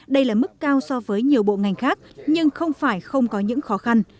đây là mức cao so với nhiều bộ ngành khác nhưng không phải không có những khó khăn